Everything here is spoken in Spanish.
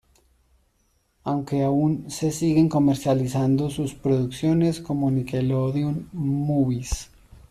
Aunque aún se siguen comercializando sus producciones como Nickelodeon Movies.